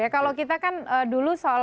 kalau kita kan dulu soal